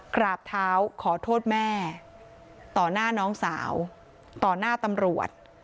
กราบเท้าขอโทษแม่ต่อหน้าน้องสาวต่อหน้าตำรวจ